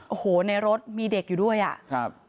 โอ้โหในรถมีเด็กอยู่ด้วยอ่ะครับ